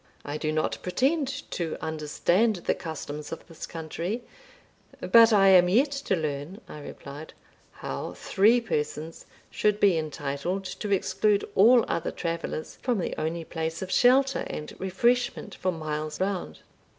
"I do not pretend to understand the customs of this country but I am yet to learn," I replied, "how three persons should be entitled to exclude all other travellers from the only place of shelter and refreshment for miles round."